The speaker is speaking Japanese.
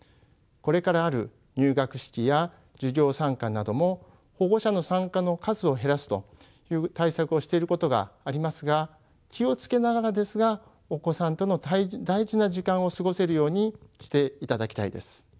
これからある入学式や授業参観なども保護者の参加の数を減らすという対策をしていることがありますが気を付けながらですがお子さんとの大事な時間を過ごせるようにしていただきたいです。